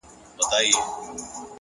خپل ژوند د ارزښتمن هدف لپاره وکاروئ.!